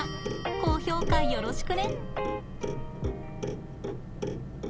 高評価よろしくね。